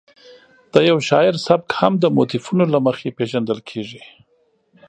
د یو شاعر سبک هم د موتیفونو له مخې پېژندل کېږي.